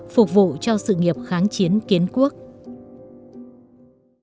phục vụ cho sự nghiệp kháng chiến kiến quốc